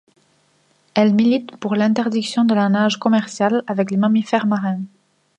Elle milite pour l'interdiction de la nage commerciale avec les mammifères marins.